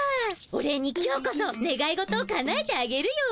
お礼に今日こそねがい事をかなえてあげるよ。